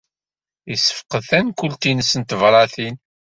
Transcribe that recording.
Yessefqed tankult-nnes n tebṛatin.